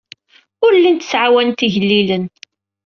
Ur llint ttɛawanent igellilen.